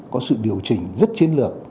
có sự điều chỉnh rất chiến lược